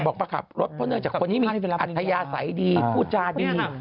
บอกไปขับรถเพราะเนื่องจากคนนี้มีอัธยาใสดีอุตจาดี